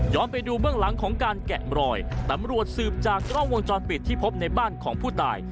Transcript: ไปดูเบื้องหลังของการแกะมรอยตำรวจสืบจากกล้องวงจรปิดที่พบในบ้านของผู้ตาย